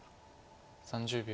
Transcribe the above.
３０秒。